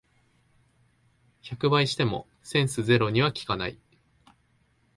百倍してもセンスゼロには効かない